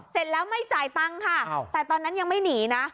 เสร็จแล้วไม่จ่ายตังค์ค่ะแต่ตอนนั้นยังไม่หนีนะ